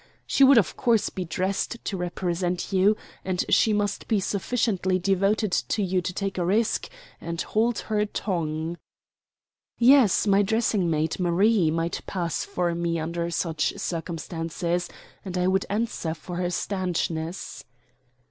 She would of course be dressed to represent you, and she must be sufficiently devoted to you to take a risk and hold her tongue." "Yes, my dressing maid, Marie, might pass for me under such circumstances, and I would answer for her stanchness."